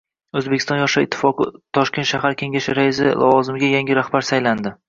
O‘zbekiston Yoshlar ittifoqi Toshkent shahar kengashi raisi lavozimiga yangi rahbar saylandi